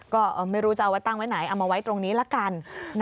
ก็ไม่รู้จะเอาไว้ตั้งไว้ไหนเอามาไว้ตรงนี้ละกัน